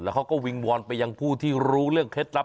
เขาก็วิงวอนไปยังผู้ที่รู้เรื่องเคล็ดลับ